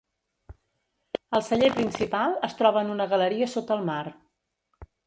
El celler principal es troba en una galeria sota el mar.